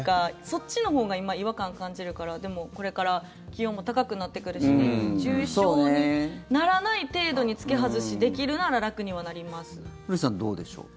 そっちのほうが今、違和感感じるからでも、これから気温も高くなってくるし熱中症にならない程度に着け外しできるなら古市さん、どうでしょう。